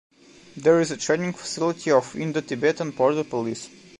There is a training facility of Indo-Tibetan Border Police.